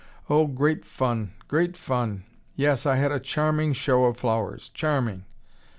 "Oh, great fun, great fun. Yes, I had a charming show of flowers, charming.